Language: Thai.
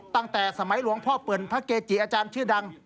ตั้งแต่สมัยหลวงพ่อเปิ่นพระเกจิอาจารย์ชื่อดัง